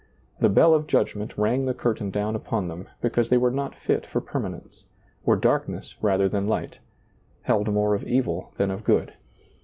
The bell of Judgment rang the curtain down upon them because they were not 6t for permanence, were darkness rather than light, held more of evil than of good.